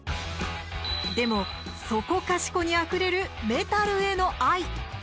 でも、そこかしこにあふれるメタルへの愛。